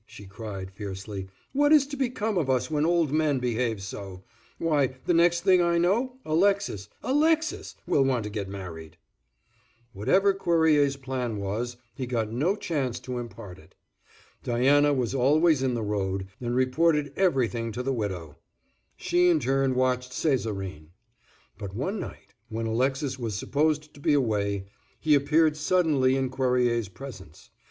she cried, fiercely, "what is to become of us when old men behave so. Why, the next thing I know, Alexis—Alexis will want to get married." Whatever Cuerrier's plan was, he got no chance to impart it. Diana was always in the road, and reported everything to the widow; she, in turn, watched Césarine. But one night, when Alexis was supposed to be away, he appeared suddenly in Cuerrier's presence.